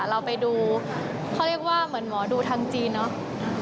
เราไปดูเขาเรียกว่าเหมือนหมอดูทางจีนเนอะ